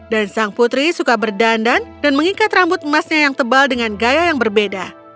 sang putri suka berdandan dan mengikat rambut emasnya yang tebal dengan gaya yang berbeda